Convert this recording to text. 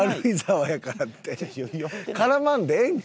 絡まんでええんか？